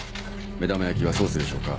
目玉焼きはソースでしょうか？